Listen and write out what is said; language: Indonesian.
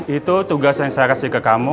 itu tugas yang saya kasih ke kamu